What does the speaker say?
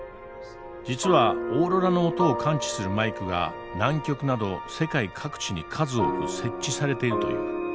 実はオーロラの音を感知するマイクが南極など世界各地に数多く設置されているという。